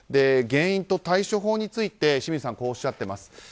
原因と対処法について清水さんはこうおっしゃっています。